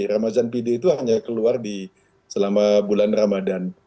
ramadan pide itu hanya keluar selama bulan ramadan